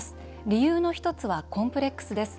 理由のひとつはコンプレックスです。